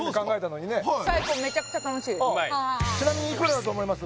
ああちなみにいくらだと思います？